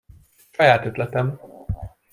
Saját ötletem!